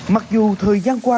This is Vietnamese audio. mặc dù thời gian qua